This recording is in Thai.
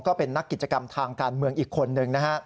ก็เป็นนักกิจกรรมทางการเมืองอีกคนนึงนะฮะ